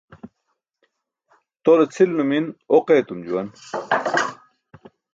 Tole cʰil numin oq etum juwan.